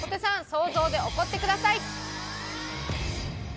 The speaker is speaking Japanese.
想像で怒ってください。